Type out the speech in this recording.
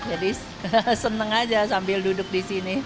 jadi seneng aja sambil duduk di sini